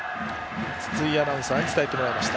筒井アナウンサーに伝えてもらいました。